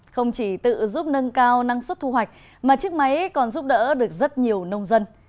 không chỉ tự giúp nâng cao năng suất thu hoạch mà chiếc máy còn giúp đỡ được rất nhiều nông dân